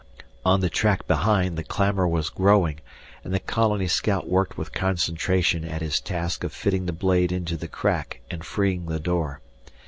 On the track behind the clamor was growing, and the colony scout worked with concentration at his task of fitting the blade into the crack and freeing the door.